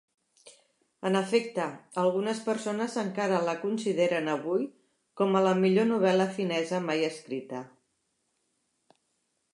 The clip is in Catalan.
En efecte, algunes persones encara la consideren avui com a la millor novel·la finesa mai escrita.